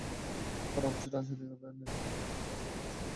তাঁর অফিসে রাজনীতির নেতিবাচক কোনো চর্চা হওয়ার সুযোগই নেই বলে জানালেন তিনি।